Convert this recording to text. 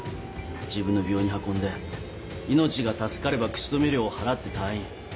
自分の病院に運んで命が助かれば口止め料を払って退院。